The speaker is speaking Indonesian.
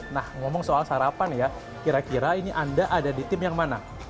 nah ngomong soal sarapan ya kira kira ini anda ada di tim yang mana